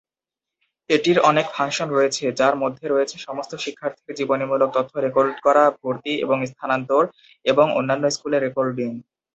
এটির অনেক ফাংশন রয়েছে, যার মধ্যে রয়েছে সমস্ত শিক্ষার্থীর জীবনীমূলক তথ্য রেকর্ড করা, ভর্তি, এবং স্থানান্তর এবং অন্যান্য স্কুলে রেকর্ডিং।